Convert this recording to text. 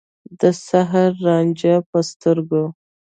د سحر رانجه په سترګو